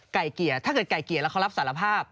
เกลี่ยถ้าเกิดไก่เกลี่ยแล้วเขารับสารภาพ